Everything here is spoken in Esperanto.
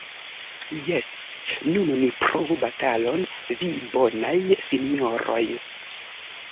Jes, nun ni provu batalon, vi bonaj sinjoroj!